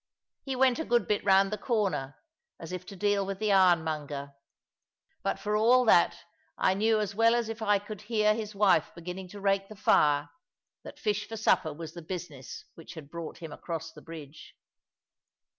He went a good bit round the corner, as if to deal with the ironmonger. But for all that, I knew as well as if I could hear his wife beginning to rake the fire, that fish for supper was the business which had brought him across the bridge.